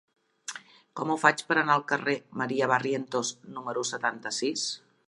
Com ho faig per anar al carrer de Maria Barrientos número setanta-sis?